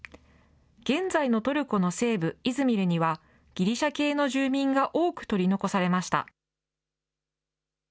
現在のトルコの西部イズミルには、ギリシャ系の住民が多く取り残されました。